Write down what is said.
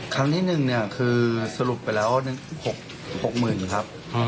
ครั้งนี้หนึ่งคือสรุปไปแล้ว๖๐๐๐๐บาทครับ